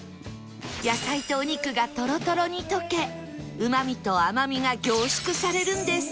野菜とお肉がトロトロに溶けうまみと甘みが凝縮されるんです